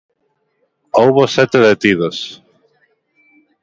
Houbo sete detidos.